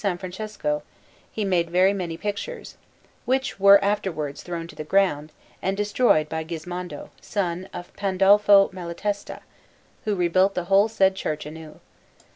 Francesco, he made very many pictures, which were afterwards thrown to the ground and destroyed by Gismondo, son of Pandolfo Malatesta, who rebuilt the whole said church anew.